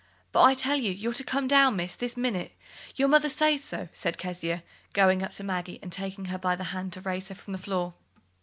"But I tell you, you're to come down, Miss, this minute: your mother says so," said Kezia, going up to Maggie and taking her by the hand to raise her from the floor.